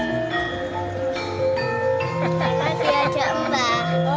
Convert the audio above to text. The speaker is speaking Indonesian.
setelah diajak embah